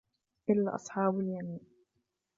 إلا أصحاب اليمين